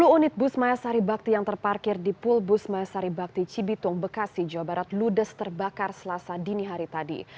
sepuluh unit bus maya saribakti yang terparkir di pul bus maya saribakti cibitung bekasi jawa barat ludes terbakar selasa dini hari tadi